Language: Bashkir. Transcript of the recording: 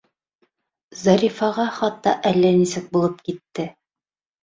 Зарифаға хатта әллә нисек булып китте.